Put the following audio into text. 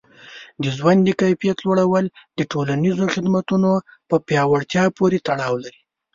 د ژوند د کیفیت لوړول د ټولنیزو خدمتونو په پیاوړتیا پورې تړاو لري.